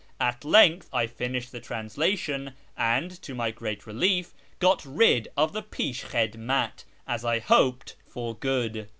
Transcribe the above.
At length I finished the translation, and, to my great relief, got rid of the pisliMiidmat, as I hoped, for good.